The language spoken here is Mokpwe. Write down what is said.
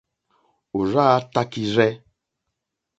Òrzáā tākírzɛ́.